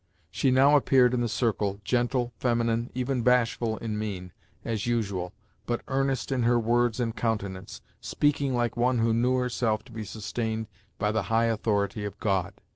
She now appeared in the circle, gentle, feminine, even bashful in mien, as usual, but earnest in her words and countenance, speaking like one who knew herself to be sustained by the high authority of God.